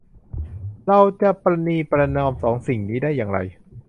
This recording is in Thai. เราจะประนีประนอมสองสิ่งนี้ได้อย่างไร